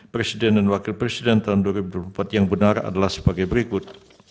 presiden dan wakil presiden tahun dua ribu dua puluh empat yang benar adalah sebagai berikut